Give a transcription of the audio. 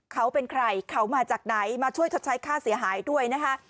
เขาเป็นใครเขามาจากไหนมาช่วยชดใช้ค่าเสียหายด้วยนะคะ